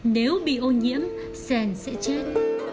nếu bị ô nhiễm sen sẽ chết